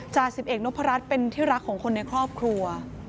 จ่าสิบเอกนพรัชเป็นที่รักของคนในครอบครัว